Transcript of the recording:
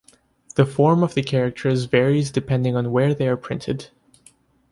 The form of the characters varies depending on where they are printed.